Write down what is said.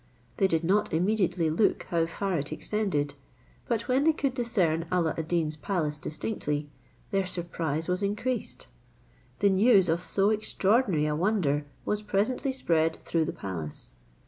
They did not immediately look how far it extended; but when they could discern Alla ad Deen's palace distinctly, their surprise was increased. The news of so extraordinary a wonder was presently spread through the palace.